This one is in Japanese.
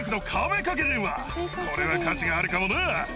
これは価値があるかもな。